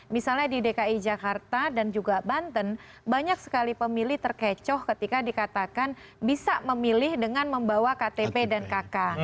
misalnya di dki jakarta dan juga banten banyak sekali pemilih terkecoh ketika dikatakan bisa memilih dengan membawa ktp dan kk